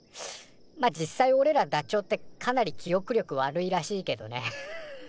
まあ実際おれらダチョウってかなり記おく力悪いらしいけどね。